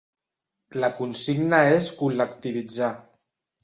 La consigna és col·lectivitzar.